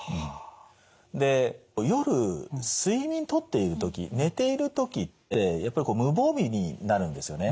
で夜睡眠とっている時寝ている時ってやっぱりこう無防備になるんですよね。